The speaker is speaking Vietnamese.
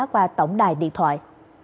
qua tổng đài điện thoại